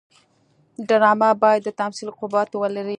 ډرامه باید د تمثیل قوت ولري